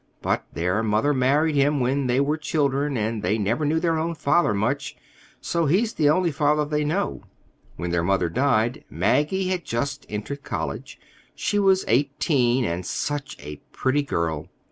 But their mother married him when they were children, and they never knew their own father much, so he's the only father they know. When their mother died, Maggie had just entered college. She was eighteen, and such a pretty girl!